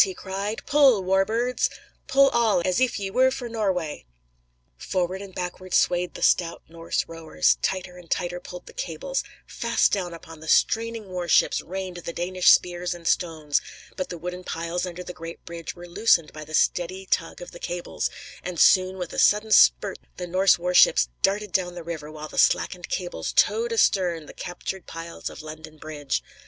he cried; "pull, war birds! Pull all, as if ye were for Norway!" Forward and backward swayed the stout Norse rowers; tighter and tighter pulled the cables; fast down upon the straining war ships rained the Danish spears and stones; but the wooden piles under the great bridge were loosened by the steady tug of the cables, and soon with a sudden spurt the Norse war ships darted down the river, while the slackened cables towed astern the captured piles of London Bridge.